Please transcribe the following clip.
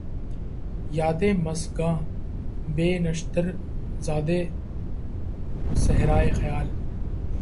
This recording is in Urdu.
یادِ مژگاں بہ نشتر زارِ صحراۓ خیال